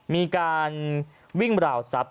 มีการวิ่งราวทรัพย